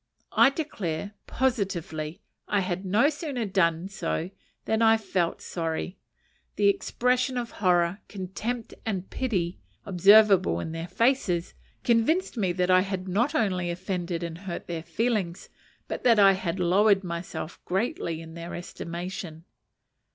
I declare, positively, I had no sooner done so than I felt sorry. The expression of horror, contempt, and pity, observable in their faces, convinced me that I had not only offended and hurt their feelings, but that I had lowered myself greatly in their estimation.